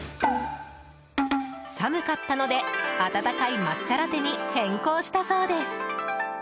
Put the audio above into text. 寒かったので、温かい抹茶ラテに変更したそうです。